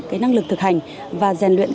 cái năng lực thực hành và giàn luyện